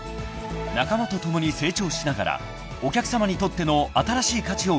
［仲間と共に成長しながらお客さまにとっての新しい価値を生みだす］